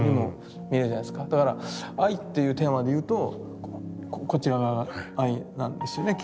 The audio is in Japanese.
だから「愛」っていうテーマで言うとこちら側が愛なんですよねきっと。